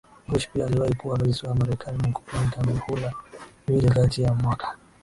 Bush pia aliwahi kuwa rais wa Marekani na kutumikia mihula miwili kati ya mwaka